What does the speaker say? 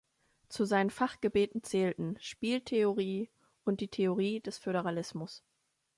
Zu seinen Fachgebieten zählten Spieltheorie und die Theorie des Föderalismus.